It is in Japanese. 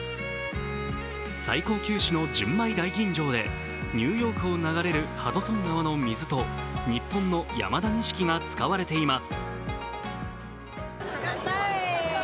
最高級酒の純米大吟蔵で、ニューヨークを流れるハドソン川の水と日本の山田錦が使われています。